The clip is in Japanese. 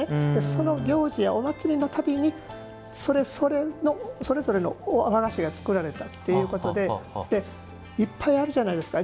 その行事やお祭りのたびにそれぞれの和菓子が作られたということでいっぱいあるじゃないですか